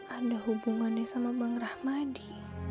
ada hubungannya sama bang rahmadi